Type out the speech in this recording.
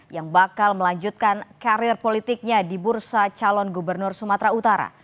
yang bakal melanjutkan karir politiknya di bursa calon gubernur sumatera utara